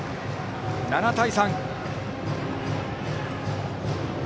７対３。